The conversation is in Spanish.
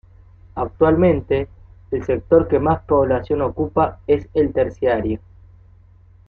Actualmente, el sector que más población ocupa es el terciario.